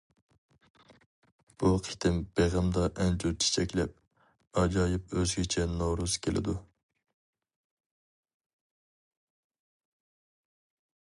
بۇ قېتىم بېغىمدا ئەنجۈر چېچەكلەپ، ئاجايىپ ئۆزگىچە نورۇز كېلىدۇ!